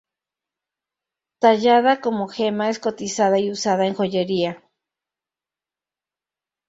Tallada como gema es cotizada y usada en joyería.